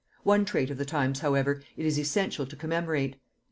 One trait of the times, however, it is essential to commemorate.